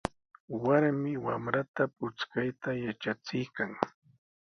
Warmi wamranta puchkayta yatrachiykan.